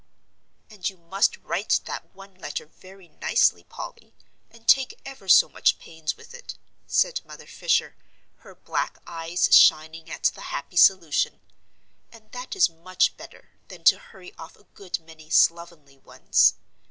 "And you must write that one letter very nicely, Polly, and take ever so much pains with it," said Mother Fisher, her black eyes shining at the happy solution; "and that is much better than to hurry off a good many slovenly ones.